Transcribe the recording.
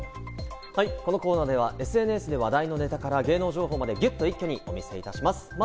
このコーナーではＳＮＳで話題のネタから芸能情報までぎゅっと、一気にお見せしていきます。